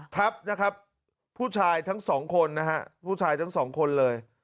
ทับนะครับผู้ชายทั้งสองคนนะฮะผู้ชายทั้งสองคนเลย